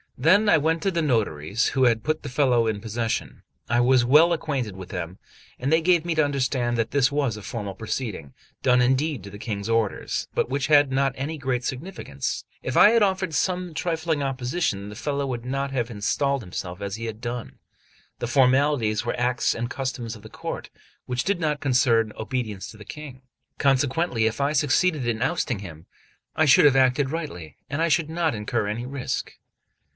Then I went to the notaries who had put the fellow in possession. I was well acquainted with them; and they gave me to understand that this was a formal proceeding, done indeed at the King's orders, but which had not any great significance; if I had offered some trifling opposition the fellow would not have installed himself as he had done. The formalities were acts and customs of the court, which did not concern obedience to the King; consequently, if I succeeded in ousting him, I should have acted rightly, and should not incur any risk.